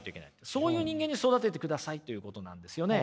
そういう人間に育ててくださいということなんですよね。